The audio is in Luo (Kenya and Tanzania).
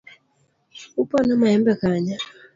Upono maembe kanye.